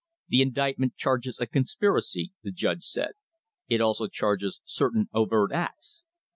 "The indictment charges a conspiracy," the judge said. "It also charges certain overt acts.